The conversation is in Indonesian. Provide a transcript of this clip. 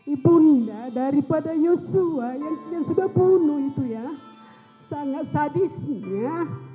ibu ninda daripada yosua yang sudah bunuh itu ya sangat sadisnya